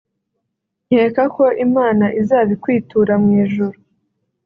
nkeka ko Imana izabikwitura mu ijuru